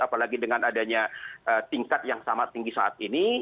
apalagi dengan adanya tingkat yang sangat tinggi saat ini